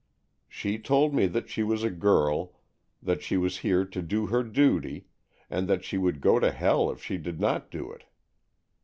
She told me that she was a girl, that she was here to do her duty, and that she would go to hell if she did not do it.